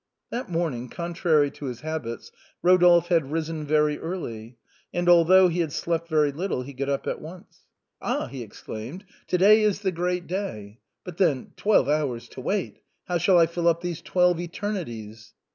That morning, contrary to his habits, Rodolphe had awaked very early, and although he had slept very little, he got up at once. "Ah !" he exclaimed ;" to day is the great day. But then twelve hours to wait. How shall I fill up these twelve eternities?